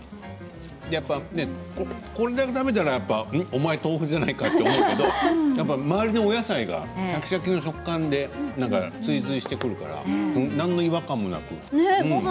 これだけ食べたらお前豆腐じゃないかと思いますけれども周りのお野菜がシャキシャキの食感で追随してくるから何の違和感もなく。